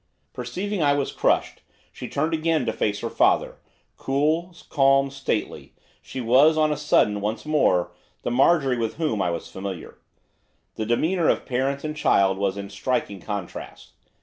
Perceiving I was crushed she turned again to face her father, cool, calm, stately; she was, on a sudden, once more, the Marjorie with whom I was familiar. The demeanour of parent and child was in striking contrast.